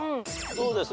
どうです？